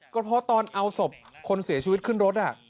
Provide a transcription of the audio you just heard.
ก็เพราะตอนเอาศพคนเสียชีวิตขึ้นรถ